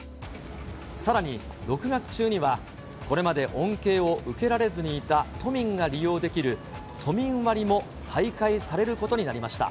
さらに６月中には、これまで恩恵を受けられずにいた都民が利用できる、都民割も再開されることになりました。